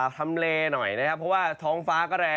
ทำเลหน่อยนะครับ